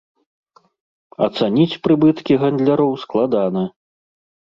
Ацаніць прыбыткі гандляроў складана.